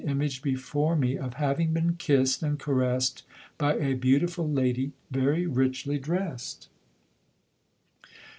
image before me, of haying been kissed and caressed by a beautiful lady, very richly drei sed."